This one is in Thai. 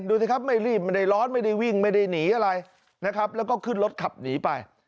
ดูสิครับไม่รีบไม่ได้ร้อนไม่ได้วิ่งไม่ได้หนีอะไรนะครับแล้วก็ขึ้นรถขับหนีไป